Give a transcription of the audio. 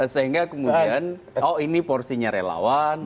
sehingga kemudian oh ini porsinya relawan